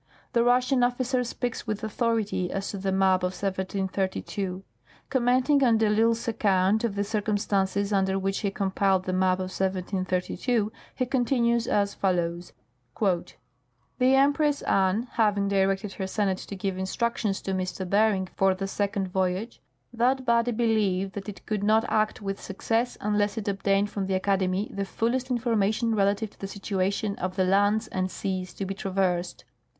The Russian officer speaks with authority as to the map of 1732. Commenting on de I'lsle's account of the circumstances under which he compiled the map of 1732, he continues as follows :" The Empress Anne having directed her Senate to give instructions to M. Bering for the second voyage, that body beheved that it could not act with success unless it obtained from the Academy the fullest information relative to the situation of the lands and seas to be traversed.